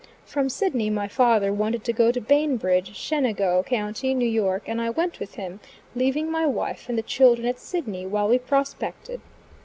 From Sidney, my father wanted to go to Bainbridge, Chenango, County, N.Y., and I went with him, leaving my wife and the children at Sidney, while we prospected.